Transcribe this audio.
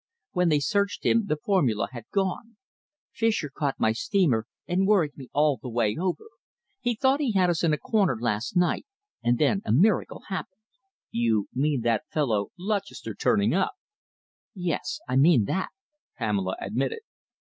When they searched him, the formula had gone. Fischer caught my steamer and worried me all the way over. He thought he had us in a corner last night, and then a miracle happened." "You mean that fellow Lutchester turning up?" "Yes, I mean that," Pamela admitted.